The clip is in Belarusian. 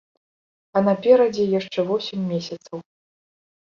А наперадзе яшчэ восем месяцаў.